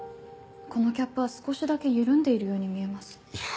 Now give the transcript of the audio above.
このキャップは少しだけ緩んでいるように見えます。